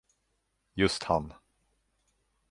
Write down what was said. Just han.